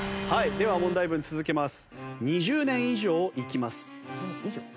では問題文続けます。